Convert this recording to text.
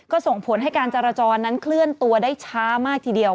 ก็ส่งผลให้การจราจรนั้นเคลื่อนตัวได้ช้ามากทีเดียว